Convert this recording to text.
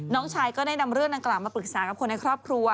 น้องชายก็ได้นำเรื่องดังกล่าวมาปรึกษากับคนในครอบครัว